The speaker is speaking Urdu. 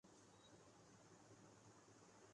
اورقانو اور غیر قانون شکار کر والہ کے ل سزا مقرر کر